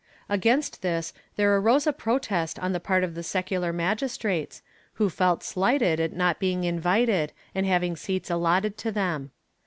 ^ Against this there arose a protest on the part of the secular magistrates, who felt slighted at not being invited and having seats allotted to them.